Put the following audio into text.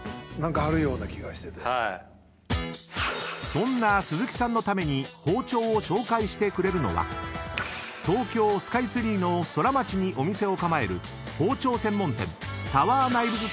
［そんな鈴木さんのために包丁を紹介してくれるのが東京スカイツリーのソラマチにお店を構える包丁専門店タワーナイブズ